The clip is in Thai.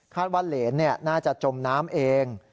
ว่าเหรนน่าจะจมน้ำเอง